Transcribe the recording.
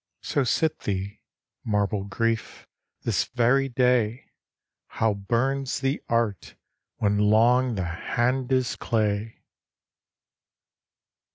So sit thee, marble Grief ! this very day How burns the art when long the hand is clay